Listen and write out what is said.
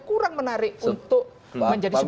kurang menarik untuk menjadi